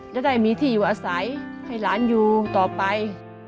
จะได้มีที่อยู่อาศัยให้หลานอยู่ต่อไป